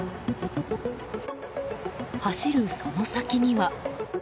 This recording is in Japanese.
走るその先には。